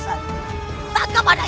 sampai jumpa lagi